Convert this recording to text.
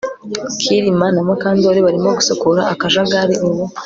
Kirima na Mukandoli barimo gusukura akajagari ubu